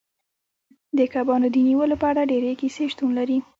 د کبانو د نیولو په اړه ډیرې کیسې شتون لري